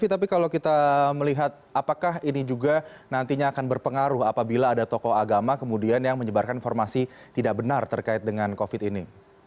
tapi kalau kita melihat apakah ini juga nantinya akan berpengaruh apabila ada tokoh agama kemudian yang menyebarkan informasi tidak benar terkait dengan covid ini